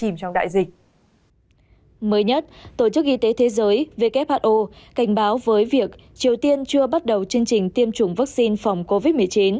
mới nhất tổ chức y tế thế giới who cảnh báo với việc triều tiên chưa bắt đầu chương trình tiêm chủng vaccine phòng covid một mươi chín